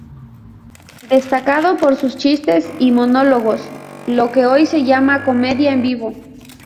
Destacado por sus chistes y monólogos, lo que hoy se llama comedia en vivo.